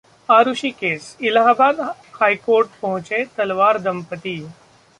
Arushi case: Allahabad high court पहुंचे तलवार दंपति